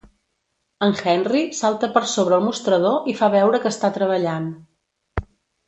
En Henry salta per sobre el mostrador i fa veure que està treballant.